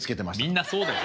みんなそうだよ。